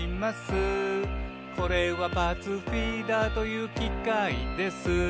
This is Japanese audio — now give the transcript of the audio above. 「これはパーツフィーダーというきかいです」